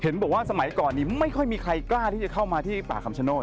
บอกว่าสมัยก่อนนี้ไม่ค่อยมีใครกล้าที่จะเข้ามาที่ป่าคำชโนธ